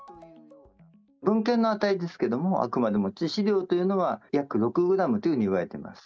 文献の値ですけれども、あくまでも、致死量というのは約６グラムというふうにいわれています。